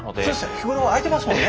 日頃開いてますもんね。